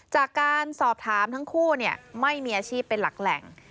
จากการสอบถามทั้งคู่ไม่มีอาชีพเป็นหลักแหล่ง